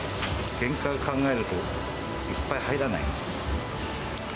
原価を考えるといっぱい入らない。